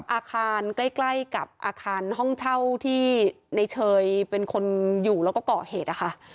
อาคารใกล้กับอาคารห้องเช่าที่ในเชยเป็นคนอยู่แล้วก็ก่อเหตุนะคะ